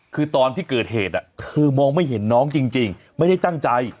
คือตอนที่เกิดเหตุเธอมองไม่เห็นน้องจริงไม่ได้ตั้งใจ